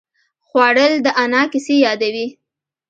خوړل د انا کیسې یادوي